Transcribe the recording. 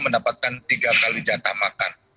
mendapatkan tiga kali jatah makan